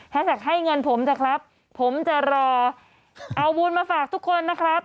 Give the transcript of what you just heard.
แท็กให้เงินผมเถอะครับผมจะรอเอาบุญมาฝากทุกคนนะครับ